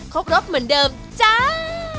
ครบรสเหมือนเดิมจ้า